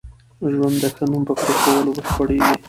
ژوند د ښه نوم په پرېښوولو بشپړېږي.